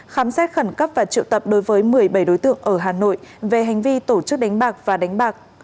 khám xét khẩn cấp và triệu tập đối với một mươi bảy đối tượng ở hà nội về hành vi tổ chức đánh bạc và đánh bạc